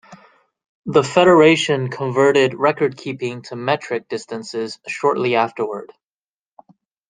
The federation converted record-keeping to metric distances shortly afterward.